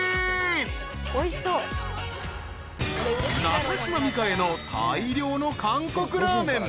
［中島美嘉への大量の韓国ラーメン］